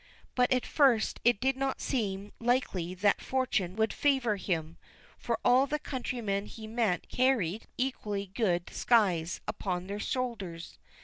But at first it did not seem likely that fortune would favor him, for all the countrymen he met carried equally good scythes upon their shoulders.